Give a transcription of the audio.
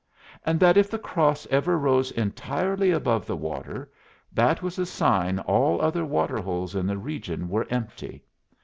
And that if the cross ever rose entirely above the water, that was a sign all other water holes in the region were empty.